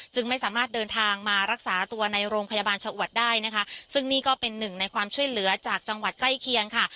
ไม่สามารถเดินทางมารักษาตัวในโรงพยาบาลชะอวดได้นะคะซึ่งนี่ก็เป็นหนึ่งในความช่วยเหลือจากจังหวัดใกล้เคียงค่ะ